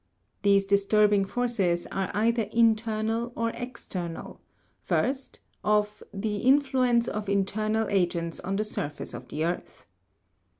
These disturbing forces are either internal or external ; first, of the INFLUENCE OF INTERNAL AGENTS ON THE SURFACE OF THE EARTH.